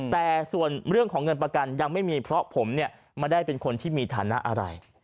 แต่ส่วนเรื่องของเงินประกันยังไม่มีเพราะผมเนี่ยไม่ได้เป็นคนที่มีฐานะอะไร